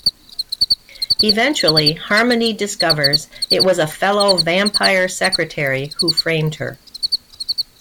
Eventually Harmony discovers it was a fellow vampire-secretary who framed her.